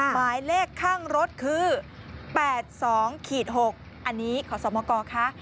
หมายเลขข้างรถคือ๘๒๖อันนี้ขอสมกค่ะ